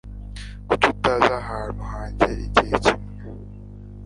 Kuki utaza ahantu hanjye igihe kimwe?